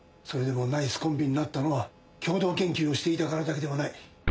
それでもナイスコンビになったのは共同研究をしていたからだけではない。